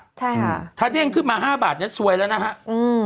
ใช่ค่ะถ้าเด้งขึ้นมาห้าบาทเนี้ยซวยแล้วนะฮะอืม